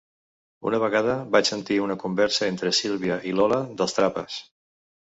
Una vegada vaig sentir una conversa entre Sílvia i Lola dels Trapas.